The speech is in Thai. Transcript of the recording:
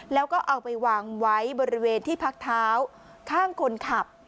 แล้วก็เอาไปวางไว้บริเวณที่พักเท้าข้างคนขับ